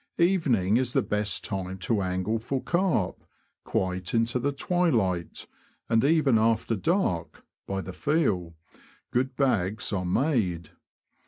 Evening is the best time to angle for carp, quite into the twilight; and even after dark (by the feel) good bags are made.